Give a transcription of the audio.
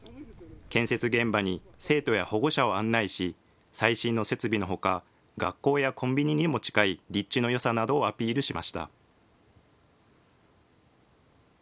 建設現場に生徒や保護者を案内し、最新の設備のほか、学校やコンビニにも近い立地のよさなどをアピールしました。